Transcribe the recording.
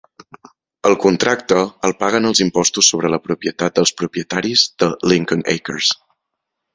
El contracte el paguen els impostos sobre la propietat dels propietaris de Lincoln Acres.